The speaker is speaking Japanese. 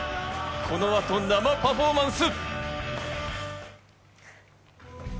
この後、生パフォーマンス！